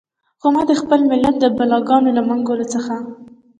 خو ما د خپل ملت د بلاګانو له منګولو څخه.